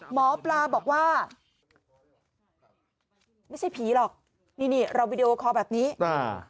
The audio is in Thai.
หมอปลาบอกว่าไม่ใช่ผีหรอกนี่นี่เราวิดีโอคอลแบบนี้อ่า